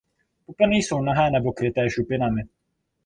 Pupeny jsou nahé nebo kryté šupinami.